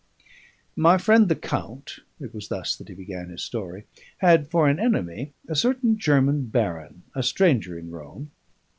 "My friend the count," it was thus that he began his story, "had for an enemy a certain German baron, a stranger in Rome.